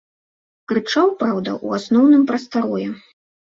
Крычаў, праўда, у асноўным пра старое.